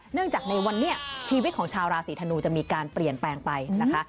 จากในวันนี้ชีวิตของชาวราศีธนูจะมีการเปลี่ยนแปลงไปนะคะ